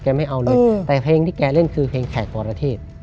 ไม่เอาเลยแต่เพลงที่แกเล่นคือเพลงแขกปรเทศ